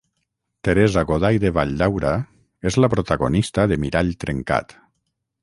Teresa Goday de Valldaura és la protagonista de "Mirall trencat ".